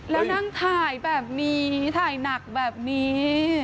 แล้วนั่งถ่ายแบบนี้ถ่ายหนักแบบนี้